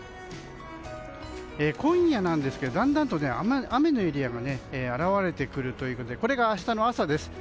今夜なんですがだんだんと雨のエリアが現れてくるということでこれが明日の朝です。